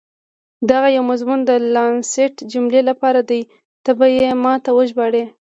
دغه یو مضمون د لانسیټ مجلې لپاره دی، ته به يې ما ته وژباړې.